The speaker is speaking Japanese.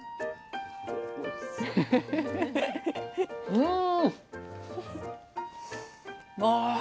うん！